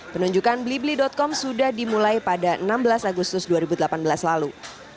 penunjukan blibli com sudah dimulai pada enam belas agustus dua ribu delapan belas lalu